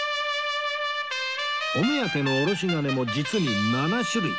お目当てのおろし金も実に７種類